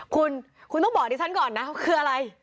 คุณคุณต้องบอกดิฉันก่อนนะคืออะไร